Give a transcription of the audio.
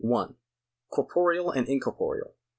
1. Corporeal and incorporeal.